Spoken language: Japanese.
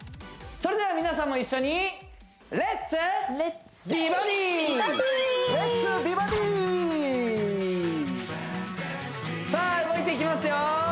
それでは皆さんも一緒にさあ動いていきますよ